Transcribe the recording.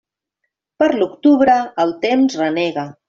Per l'octubre, el temps renega.